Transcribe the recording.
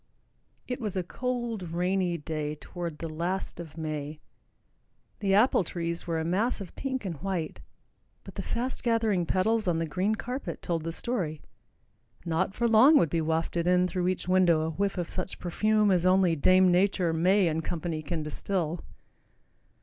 It was a cold, rainy day toward the last of May. The apple trees were a mass of pink and white, but the fast gathering petals on the green carpet told the story; not for long would be wafted in through each window a whiff of such perfume as only Dame Nature, May and Company can distill.